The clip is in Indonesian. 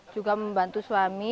juga membantu suami